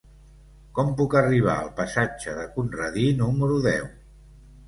Com puc arribar al passatge de Conradí número deu?